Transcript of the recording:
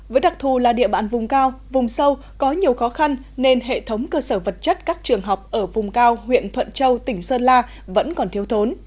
với đặc thù là địa bàn vùng cao vùng sâu có nhiều khó khăn nên hệ thống cơ sở vật chất các trường học ở vùng cao huyện thuận châu tỉnh sơn la vẫn còn thiếu thốn